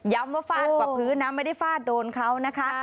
ว่าฟาดกว่าพื้นนะไม่ได้ฟาดโดนเขานะคะ